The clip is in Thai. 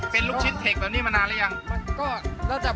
เป็นลูกชิ้นเทคแบบนี้มานานหรือยัง